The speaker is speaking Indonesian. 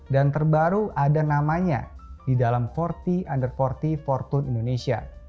dan terbaru ada namanya di dalam empat puluh under empat puluh fortune indonesia